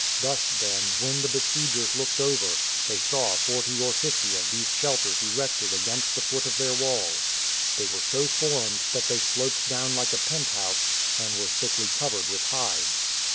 Thus, then, when the besiegers looked over, they saw forty or fifty of these shelters erected against the foot of their walls. They were so formed that they sloped down like a pent house and were thickly covered with hides.